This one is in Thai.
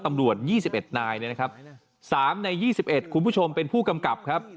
ตำรวจ๒๑นาย๓ใน๒๑คุณผู้ชมเป็นผู้กำกับครับ